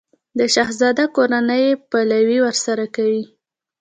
د شهزاده کورنۍ یې پلوی ورسره کوي.